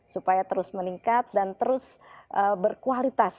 supaya terus meningkat dan terus berkualitas